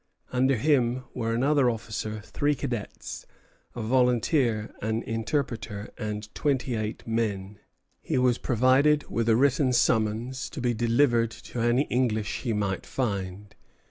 Under him were another officer, three cadets, a volunteer, an interpreter, and twenty eight men. He was provided with a written summons, to be delivered to any English he might find.